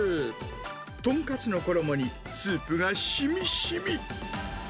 豚カツの衣にスープがしみしみ。